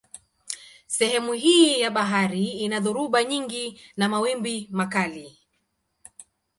Sehemu hii ya bahari ina dhoruba nyingi na mawimbi makali.